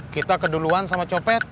kita keduluan sama copet